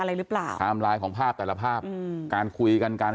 อะไรหรือเปล่าไทม์ไลน์ของภาพแต่ละภาพอืมการคุยกันการ